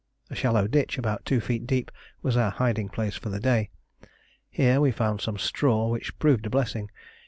A shallow ditch, about two feet deep, was our hiding place for the day. Here we found some straw, which proved a blessing.